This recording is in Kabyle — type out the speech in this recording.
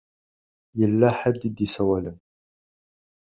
Yella ḥedd i d-isawalen.